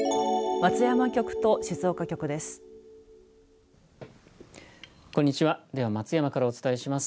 松山局と静岡局です。